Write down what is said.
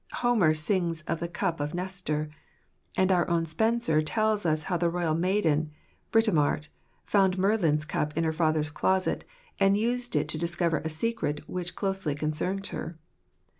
Homer sings of the cup of Nestor. And our own Spenser tells us how the royal maiden, Britomart, found Merlin's cup in her father's closet, and used it to discover a secret which closely concerned her.